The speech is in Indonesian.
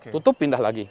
tutup pindah lagi